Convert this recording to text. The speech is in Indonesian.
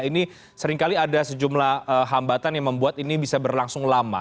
ini seringkali ada sejumlah hambatan yang membuat ini bisa berlangsung lama